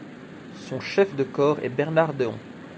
Son chef de corps est Bernard Dehon.